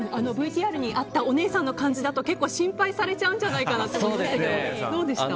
ＶＴＲにあったお姉さんの感じだと結構心配されちゃうんじゃないかなと思いますけどどうでした？